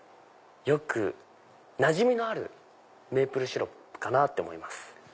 よくなじみのあるメープルシロップかなと思います。